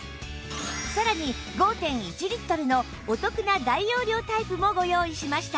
さらに ５．１ リットルのお得な大容量タイプもご用意しました